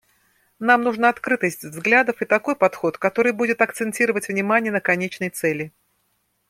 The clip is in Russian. Нам нужна открытость взглядов и такой подход, который будет акцентировать внимание на конечной цели.